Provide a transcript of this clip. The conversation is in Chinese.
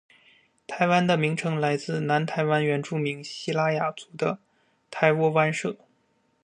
“台湾”名称来自于南台湾原住民西拉雅族的台窝湾社。